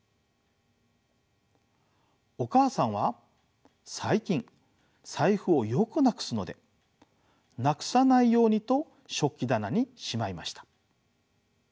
お母さんは最近財布をよくなくすのでなくさないようにと食器棚にしまいました。